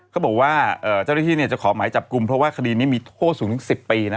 เขาบอกว่าเจ้าหน้าที่จะขอหมายจับกลุ่มเพราะว่าคดีนี้มีโทษสูงถึง๑๐ปี